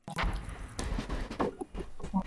你好大懵即